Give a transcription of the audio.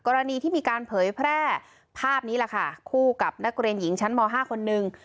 กรณีที่มีการเผยแพร่ภาพนี้แหละค่ะคู่กับนักเรียนหญิงชั้นม๕คนนึง